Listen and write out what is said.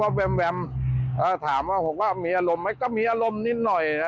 ก็เห็นแวมแวมถามว่ามีอารมณ์ไหมก็มีอารมณ์นิดหน่อย